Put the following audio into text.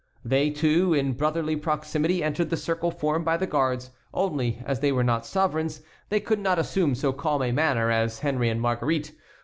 They, too, in brotherly proximity entered the circle formed by the guards; only, as they were not sovereigns, they could not assume so calm a manner as Henry and Marguerite.